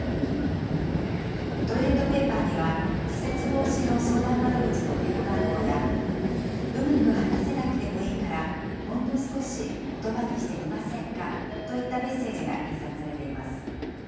トイレットペーパーには、自殺防止の相談窓口の電話番号や、うまく話せなくてもいいからほんの少しことばにしてみませんか？といったメッセージが印刷されています。